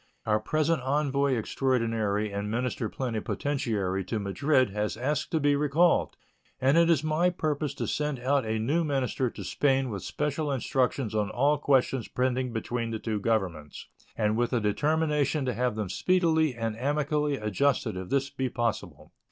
Our present envoy extraordinary and minister plenipotentiary to Madrid has asked to be recalled, and it is my purpose to send out a new minister to Spain with special instructions on all questions pending between the two Governments, and with a determination to have them speedily and amicably adjusted if this be possible.